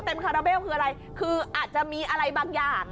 เต็มคืออะไรคืออาจจะมีอะไรบางอย่างอ่ะ